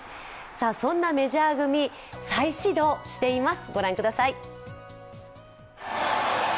そんなメジャー組再始動しています、ご覧ください。